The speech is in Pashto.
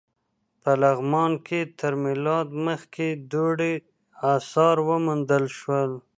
په لغمان کې تر میلاد مخکې دورې اثار وموندل شول.